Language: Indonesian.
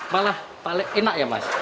malah enak ya mas